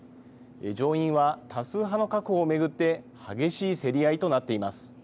上院は多数派の確保を巡って激しい競り合いとなっています。